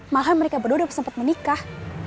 malah mereka berdua udah sempet menikah